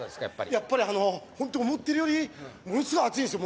やっぱりあのホント思ってるよりものすごい熱いんすよ